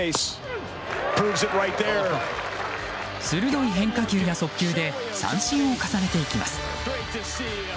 鋭い変化球や速球で三振を重ねていきます。